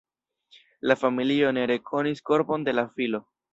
La familio ne rekonis korpon de la filo.